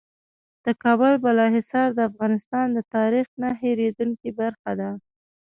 د کابل بالا حصار د افغانستان د تاریخ نه هېرېدونکې برخه ده.